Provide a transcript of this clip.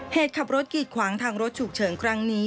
เหตุขับรถกีดขวางทางรถฉุกเฉินครั้งนี้